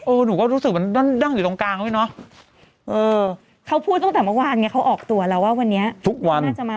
โอ้หนูก็รู้สึกมันด้านด้านตรงกลางน่ะปะพี่เนอะ